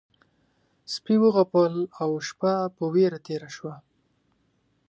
سپي وغپل او شپه په وېره تېره شوه.